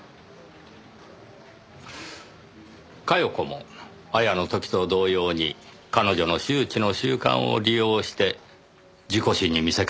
「加世子も亞矢の時と同様に彼女の周知の習慣を利用して事故死に見せかけて殺しました」